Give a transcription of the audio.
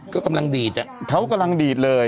ก็กำลังดีด